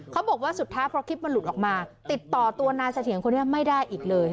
เขาบอกว่าสุดท้ายพอคลิปมันหลุดออกมาติดต่อตัวนายเสถียรคนนี้ไม่ได้อีกเลย